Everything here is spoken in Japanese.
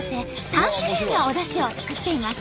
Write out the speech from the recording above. ３種類のおだしを作っています。